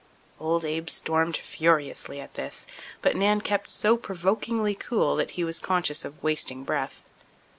Old Abe stormed furiously at this, but Nan kept so provokingly cool that he was conscious of wasting breath.